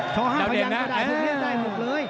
ชอบห้ามพยังก็ได้หมดเลย